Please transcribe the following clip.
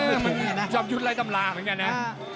เอ่อจะมันจะยุ่นไร้จำลาเหมือนเเมี้ยนะ